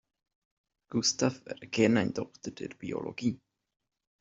Gustav wäre gern ein Doktor der Biologie.